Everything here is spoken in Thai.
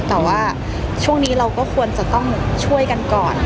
แต่ว่าช่วงนี้เราก็ควรจะต้องช่วยกันก่อน